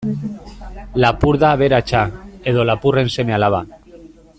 Lapur da aberatsa, edo lapurren seme-alaba.